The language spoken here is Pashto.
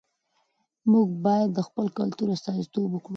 موږ بايد د خپل کلتور استازیتوب وکړو.